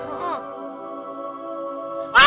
iya pak rt